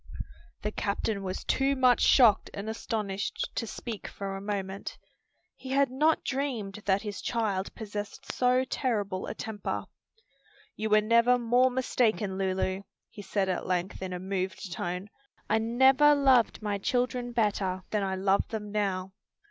The captain was too much shocked and astonished to speak for a moment. He had not dreamed that his child possessed so terrible a temper. "You were never more mistaken, Lulu," he said at length in a moved tone; "I never loved my children better than I love them now.